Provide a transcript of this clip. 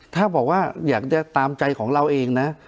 ถ้าบอกว่าอยากจะตามใจของเราเองนะ